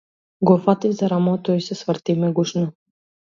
Го фатив за рамо, а тој се сврте и ме гушна.